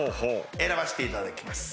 選ばせていただきます。